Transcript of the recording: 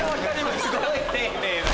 すごい丁寧な。